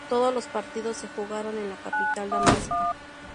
Todos los partidos se jugaron en la capital Damasco.